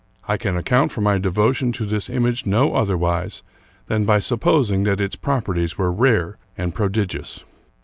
I can account for my devotion to this image no otherwise than by supposing that its properties were rare and prodigious.